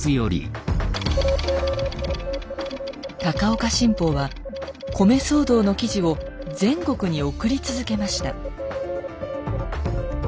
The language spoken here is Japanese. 「高岡新報」は米騒動の記事を全国に送り続けました。